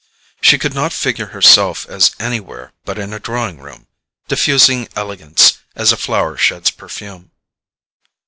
She could not figure herself as anywhere but in a drawing room, diffusing elegance as a flower sheds perfume.